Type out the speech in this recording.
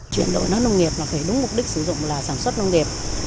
chuyển đổi đất nông nghiệp phải đúng mục đích sử dụng là sản xuất nông nghiệp